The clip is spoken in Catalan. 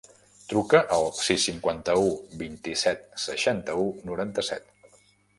Truca al sis, cinquanta-u, vint-i-set, seixanta-u, noranta-set.